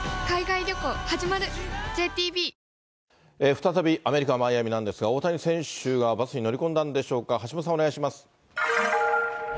再びアメリカ・マイアミなんですが、大谷選手はバスに乗り込んだんでしょうか。